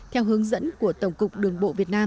theo hướng dẫn của tổng cục đường bộ việt nam